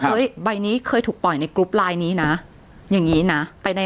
เฮ้ยใบนี้เคยถูกปล่อยในลายนี้น่ะอย่างงี้น่ะไปใน